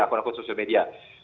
akun akun social media